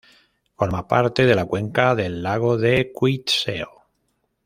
Forma parte de la cuenca del lago de Cuitzeo.